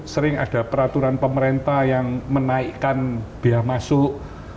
sering ada peraturan pemerintah yang menaikkan biaya masuk